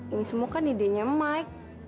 ini semua kan idenya mike